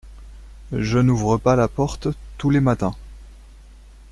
Je n’ouvre pas la porte tous les matins.